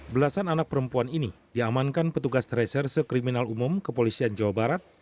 belasan anak perempuan ini diamankan petugas reserse kriminal umum kepolisian jawa barat